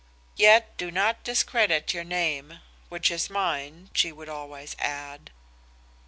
Yet do not discredit your name, which is mine,' she would always add.